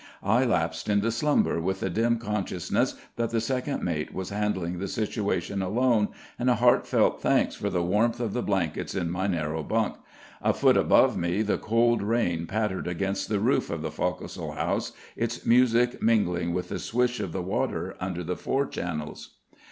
I lapsed into slumber with the dim consciousness that the second mate was handling the situation alone, and a heartfelt thanks for the warmth of the blankets in my narrow bunk; a foot above me the cold rain pattered against the roof of the fo'c'sle house, its music mingling with the swish of the water under the fore channels.